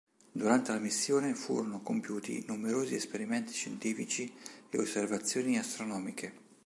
Durante la missione furono compiuti numerosi esperimenti scientifici e osservazioni astronomiche.